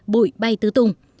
bụi bay tứ tung